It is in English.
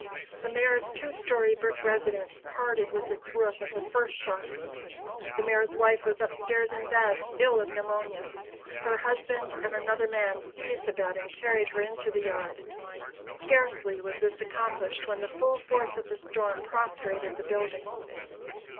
The Mayor's two story brick residence parted with its roof at the first shock. The Mayor's wife was up stairs in bed, ill of pneumonia. Her husband and another man seized the bed and carried her into the yard. Scarcely was this accomplished when the full force of the storm prostrated the building.